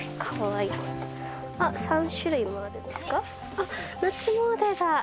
あっ夏詣だ。